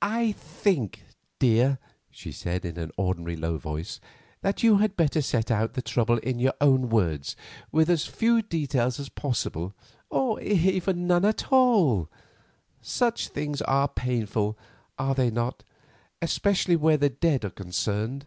"I think, dear," she said in her ordinary slow voice, "that you had better set out the trouble in your own words, with as few details as possible, or none at all. Such things are painful, are they not—especially where the dead are concerned?"